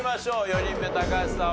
４人目高橋さん